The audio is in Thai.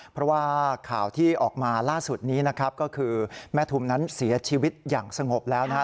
เพราะว่าข่าวที่ออกมาล่าสุดนี้นะครับก็คือแม่ทุมนั้นเสียชีวิตอย่างสงบแล้วนะฮะ